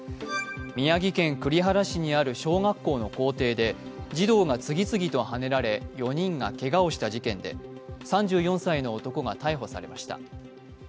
宮城県栗原市の小学校の校庭で児童が次々とはねられ、４人がけがをした事件で３４歳の男が逮捕されました。